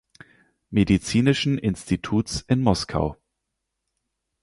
Medizinischen Instituts in Moskau.